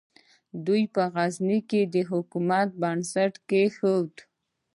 دوی په غزني کې د حکومت بنسټ کېښود.